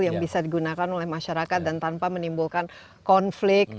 yang bisa digunakan oleh masyarakat dan tanpa menimbulkan konflik